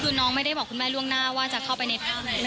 คือน้องไม่ได้บอกคุณแม่ล่วงหน้าว่าจะเข้าไปในภาพไหน